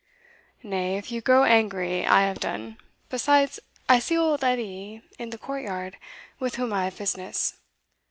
Nay, if you grow angry, I have done. Besides, I see old Edie in the court yard, with whom I have business.